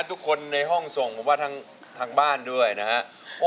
ทุกคนในห้องส่งผมว่าทางบ้านด้วยนะครับ